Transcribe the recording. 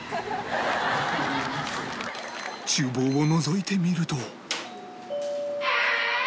厨房をのぞいてみると